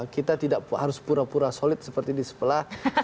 kita tidak harus pura pura solid seperti di sebelah